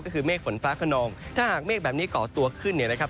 ก็คือเมฆฝนฟ้าขนองถ้าหากเมฆแบบนี้ก่อตัวขึ้นเนี่ยนะครับ